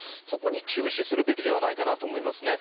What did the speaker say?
そこに注視するべきではないかと思います。